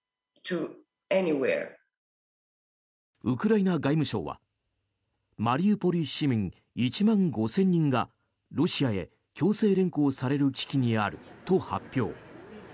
ウクライナ外務省はマリウポリ市民１万５０００人がロシアへ強制連行される危機にあると発表。